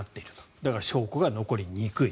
だから証拠が残りにくい。